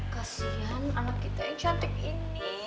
kasian anak kita yang cantik ini